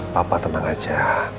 papa tenang aja